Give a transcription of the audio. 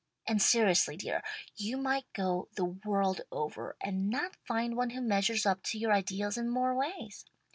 And seriously, dear, you might go the world over and not find one who measures up to your ideals in more ways.